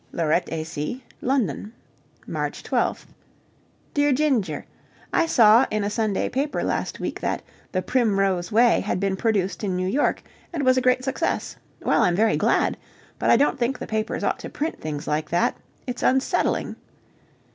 Laurette et Cie.. London March 12th. Dear Ginger, I saw in a Sunday paper last week that "The Primrose Way" had been produced in New York, and was a great success. Well, I'm very glad. But I don't think the papers ought to print things like that. It's unsettling.